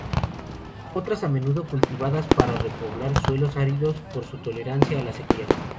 Otras a menudo cultivadas para repoblar suelos áridos por su tolerancia a la sequía.